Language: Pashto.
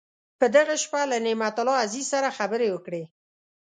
په دغه شپه له نعمت الله عزیز سره خبرې وکړې.